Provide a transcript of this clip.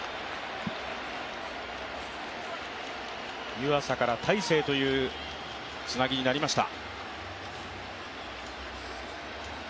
湯浅から大勢というつなぎになりました。